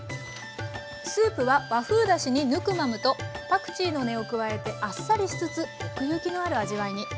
スープは和風だしにヌクマムとパクチーの根を加えてあっさりしつつ奥行きのある味わいに。